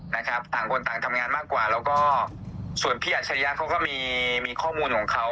แล้วก็ส่วนพี่อัชริยะเขาก็มีข้อมูลของเขา